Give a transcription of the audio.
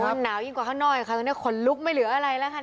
สามชาติพี่หมูพงเทศแบบนี้ข้างในหนาวหรือเปล่าไม่ทราบนะครับ